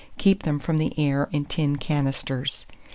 Keep them from the air in tin canisters.